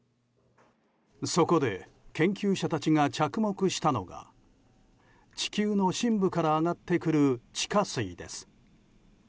そこで研究者たちが着目したのが地球の深部から上がってくる地下水です。